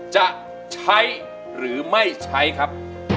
จะใช้หรือไม่ใช้ครับ